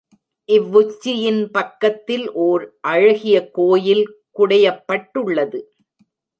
இவ்வுச்சியின் பக்கத்தில் ஓர் அழகிய கோயில் குடையப்பட்டுள்ளது.